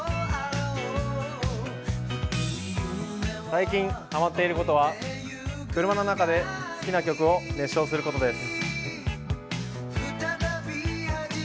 最近、ハマっていることは車の中で好きな曲を熱唱することです。